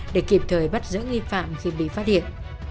để kịp thời bắt giữ nghi phạm khi bị phát hiện